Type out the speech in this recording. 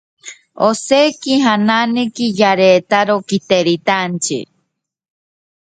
Muchos de estos niños llegan a una situación de desnutrición crítica.